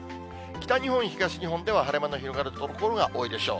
北日本、東日本では晴れ間の広がる所が多いでしょう。